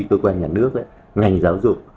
cơ quan nhà nước ngành giáo dục